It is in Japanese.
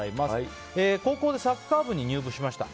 高校でサッカー部に入部しました。